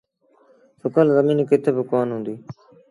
سُڪل زميݩ ڪٿ با ڪونا هُديٚ۔